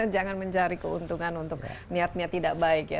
jangan mencari keuntungan untuk niat niat tidak baik ya